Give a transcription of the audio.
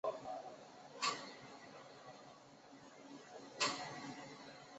孔令贻和侧室王宝翠育有二女一子。